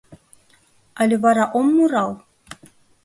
Але вара ом мурал?